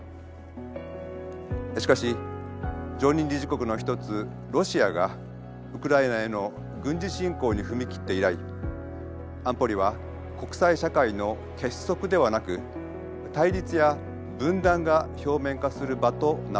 しかし常任理事国の一つロシアがウクライナへの軍事侵攻に踏み切って以来安保理は国際社会の結束ではなく対立や分断が表面化する場となっています。